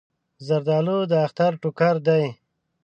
زردالو د اختر ټوکر دی.